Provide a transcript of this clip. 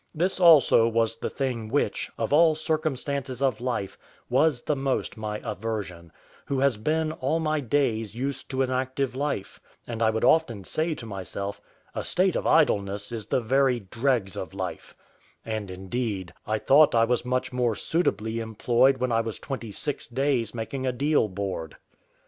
This also was the thing which, of all circumstances of life, was the most my aversion, who had been all my days used to an active life; and I would often say to myself, "A state of idleness is the very dregs of life;" and, indeed, I thought I was much more suitably employed when I was twenty six days making a deal board.